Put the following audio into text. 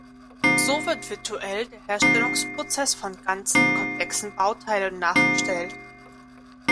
So wird virtuell der Herstellungsprozess von ganzen, komplexen Bauteilen nachgestellt.